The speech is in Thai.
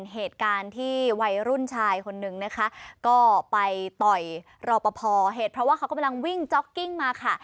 เหตุการณ์ที่วัยรุ่นชายคนนึงนะคะก็ไปต่อยรอปภเหตุเพราะว่าเขากำลังวิ่งจ๊อกกิ้งมาค่ะ